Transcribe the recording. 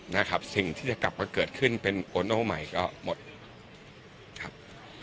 นะครับสิ่งที่จะกลับมาเกิดขึ้นเป็นโอโน่ใหม่ก็หมดครับ